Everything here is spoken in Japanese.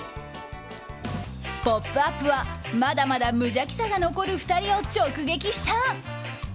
「ポップＵＰ！」はまだまだ無邪気さが残る２人を直撃した。